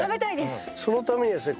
そのためにはですね。